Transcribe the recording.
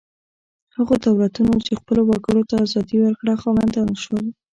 هغو دولتونو چې خپلو وګړو ته ازادي ورکړه خاوندان شول.